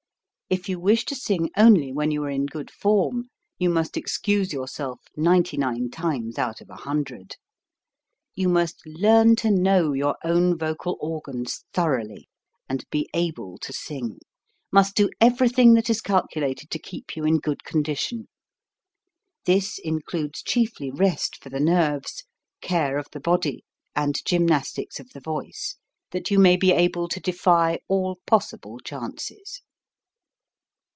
J you wish to sing only when you are in good form, you must excuse yourself ninety nine times out of a hundred. You must learn to know your own vocal organs thoroughly and be able to sing; must do everything that is calculated to keep you in good condition. This includes chiefly rest for the nerves, care of the body, and gymnastics of the voice, that you may be able to defy all possible chances.